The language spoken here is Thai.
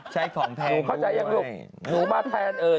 ใช่ของแทน